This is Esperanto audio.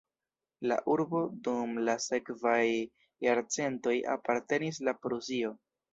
La urbo dum la sekvaj jarcentoj apartenis la Prusio.